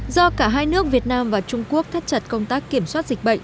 do cả hai nước việt nam và trung quốc thắt chặt công tác kiểm soát dịch bệnh